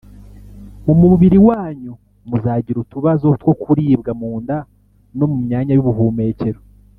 Mu mubiri wanyu muzagira utubazo two kuribwa mu nda no mu myanya y’ubuhumekero